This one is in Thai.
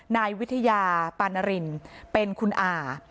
นายวิทยาปานรินเป็นคุณอา